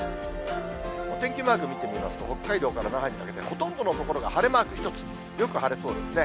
お天気マーク見てみますと、北海道から那覇にかけてほとんどの所が晴れマーク１つ、よく晴れそうですね。